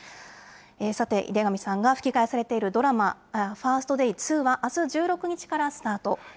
さて、井手上さんが吹き替えされているドラマ、ファースト・デイ２は、あす１６日からスタート。